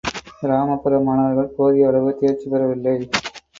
கிராமப்புற மாணவர்கள் போதிய அளவு தேர்ச்சி பெறவில்லை.